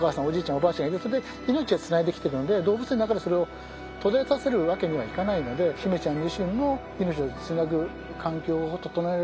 おばあちゃんがいることで命をつないできているので動物園の中でそれを途絶えさせるわけにはいかないので媛ちゃん自身の命をつなぐ環境を整えられたら一番いいのかなと思ったりしますよね。